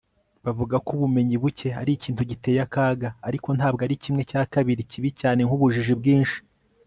bavuga ko ubumenyi buke ari ikintu giteye akaga, ariko ntabwo ari kimwe cya kabiri kibi cyane nk'ubujiji bwinshi